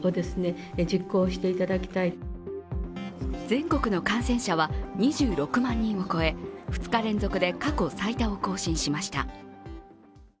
全国の感染者は２６万人を超え、２日連続で過去最多を更新しました。